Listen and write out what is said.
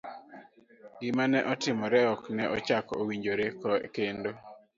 Gima ne timore ok ne ochako owinjore kendo;